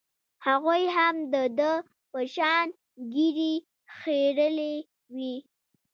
هغوى هم د ده په شان ږيرې خرييلې وې.